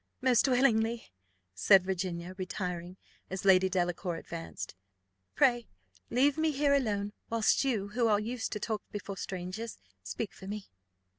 "Most willingly," said Virginia, retiring as Lady Delacour advanced. "Pray leave me here alone, whilst you, who are used to talk before strangers, speak for me."